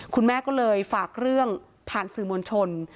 คุณแม่ก็เลยฝากเรื่องผ่านสื่อมวลชน